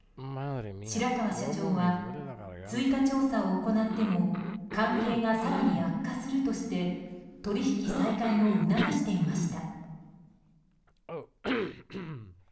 白川社長は追加調査を行っても関係が更に悪化するとして取引再開を促していました。